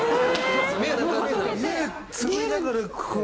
目つむりながらこう。